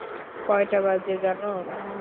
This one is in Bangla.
কয়টা বাজে জানো?